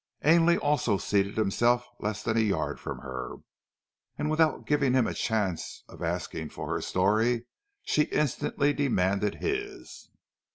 Ainley also seated himself less than a yard from her; and without giving him a chance of asking for her story, she instantly demanded his.